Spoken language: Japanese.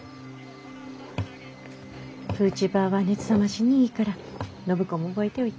フーチバーは熱冷ましにいいから暢子も覚えておいて。